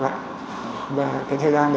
và cái thời gian đầy đủ với cách đây tốn ha